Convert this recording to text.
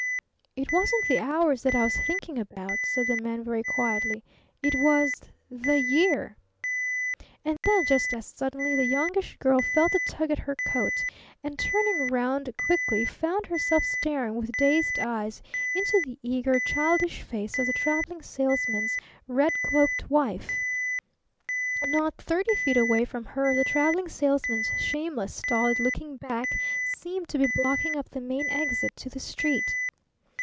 "It wasn't the hours that I was thinking about," said the Man very quietly. "It was the year!" And then, just as suddenly, the Youngish Girl felt a tug at her coat, and, turning round quickly, found herself staring with dazed eyes into the eager, childish face of the Traveling Salesman's red cloaked wife. Not thirty feet away from her the Traveling Salesman's shameless, stolid looking back seemed to be blocking up the main exit to the street.